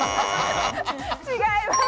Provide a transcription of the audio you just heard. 違います。